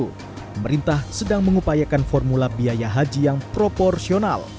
pemerintah sedang mengupayakan formula biaya haji yang proporsional